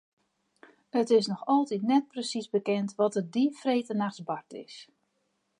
It is noch altyd net presiis bekend wat der dy freedtenachts bard is.